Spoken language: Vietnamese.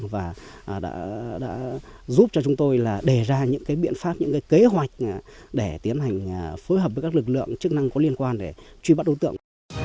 và đã giúp cho chúng tôi là đề ra những biện pháp những kế hoạch để tiến hành phối hợp với các lực lượng chức năng có liên quan để truy bắt đối tượng